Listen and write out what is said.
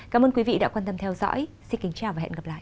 cảm ơn quý vị đã quan tâm theo dõi xin kính chào và hẹn gặp lại